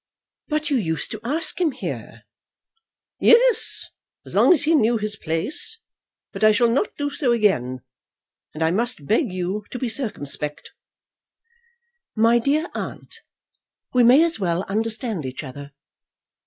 "But you used to ask him here." "Yes, as long as he knew his place. But I shall not do so again. And I must beg you to be circumspect." "My dear aunt, we may as well understand each other.